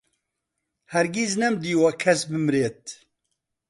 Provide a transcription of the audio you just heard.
هەرگیز نەمدیوە کەس بمرێت